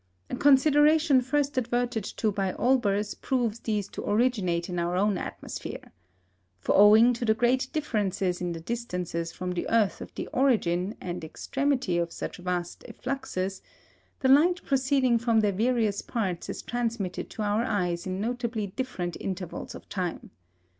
A consideration first adverted to by Olbers proves these to originate in our own atmosphere. For owing to the great difference in the distances from the earth of the origin and extremity of such vast effluxes, the light proceeding from their various parts is transmitted to our eyes in notably different intervals of time.